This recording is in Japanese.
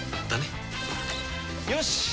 よし！